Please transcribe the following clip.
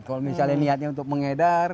kalau misalnya niatnya untuk mengedar